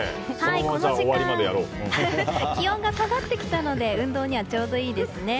この時間気温が下がってきたので運動にはちょうどいいですね。